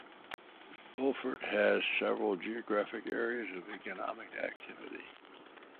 Beaufort has several geographic areas of economic activity.